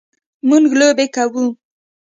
مونږ لوبې کوو